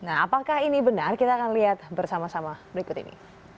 nah apakah ini benar kita akan lihat bersama sama berikut ini